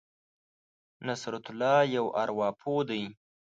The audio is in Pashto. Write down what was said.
نصرت الله یو ارواپوه دی.